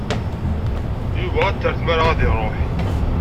Yuba ad t-terr tmara ad iṛuḥ.